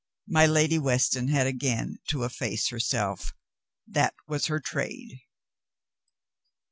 My Lady Weston had again to efface herself. That was her trade.